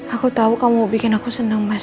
aku tahu kamu bikin aku senang mas